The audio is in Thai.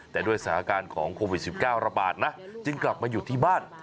แต่ด้วยสถานการณ์ของโควิด๑๙ระบาดนะจึงกลับมาอยู่ที่บ้าน